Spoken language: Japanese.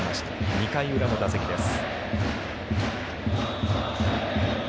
２回裏の打席です。